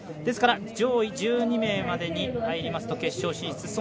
ですから上位１２名までに入りますと決勝進出